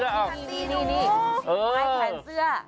เอาไอ้แผ่นเสื้อ